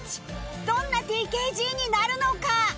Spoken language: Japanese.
どんな ＴＫＧ になるのか？